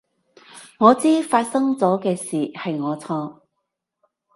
我知發生咗嘅事係我錯